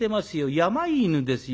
病犬ですよ。